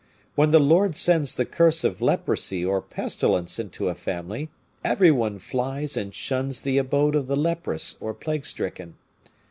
When the Lord sends the curse of leprosy or pestilence into a family, every one flies and shuns the abode of the leprous or plague stricken.